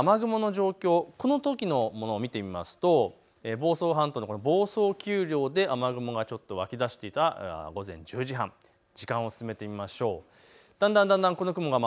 気象レーダーで雨雲の状況、このときのものを見てみますと房総半島の房総丘陵で雨雲が湧き出していた午前１０時半、時間を進めてみましょう。